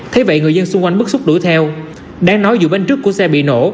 thế vậy người dân xung quanh bức xúc đuổi theo đáng nói dù bên trước của xe bị nổ